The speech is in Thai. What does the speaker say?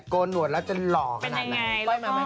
โกนหนวดแล้วจะหล่อขนาดไหน